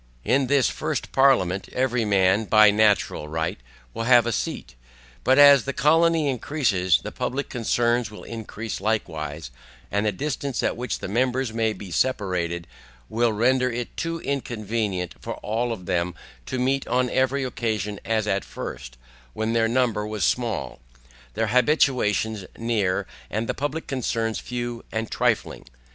In this first parliament every man, by natural right, will have a seat. But as the colony increases, the public concerns will increase likewise, and the distance at which the members may be separated, will render it too inconvenient for all of them to meet on every occasion as at first, when their number was small, their habitations near, and the public concerns few and trifling.